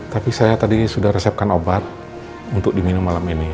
tapi saya tadi sudah resepkan obat untuk diminum malam ini